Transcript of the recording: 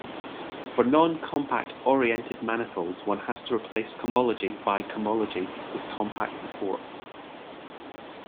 For non-compact oriented manifolds, one has to replace cohomology by cohomology with compact support.